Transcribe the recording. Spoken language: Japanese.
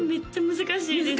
難しいです